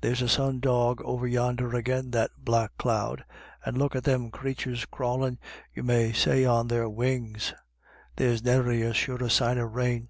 There's a sun dog over yonder agin that black cloud, and look at them crathurs crawlin', you may say, on their wings ; there's nary a surer sign of rain."